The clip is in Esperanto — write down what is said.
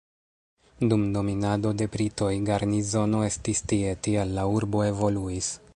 Dum dominado de britoj garnizono estis tie, tial la urbo evoluis.